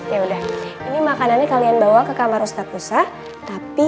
ya udah ini makanannya kalian bawa ke kamar usta kusa tapi